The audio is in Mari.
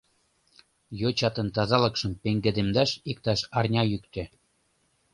— Йочатын тазалыкшым пеҥгыдемдаш иктаж арня йӱктӧ.